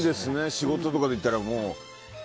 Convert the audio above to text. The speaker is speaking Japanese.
仕事とかで行ったけど。